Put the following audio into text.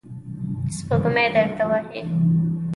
سپوږمۍ دریه وهي